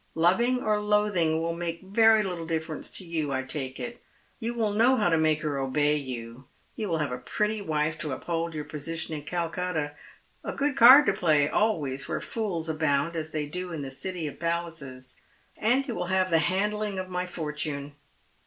Loving or loathing will make very little differ ence to you, I take it. You will know how to make her obe^ you. You will have a pretty wife to uphold your position in Calcutta — a good card to play a' '»'H.ys where fools abound, as they do in the City of Palaces. And you will have the handling of my fortune."